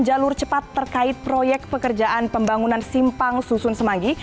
jalur cepat terkait proyek pekerjaan pembangunan simpang susun semanggi